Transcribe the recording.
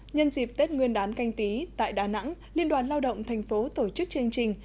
nhân dịp tết nguyên đán canh tí tại đà nẵng liên đoàn lao động thành phố tổ chức chương trình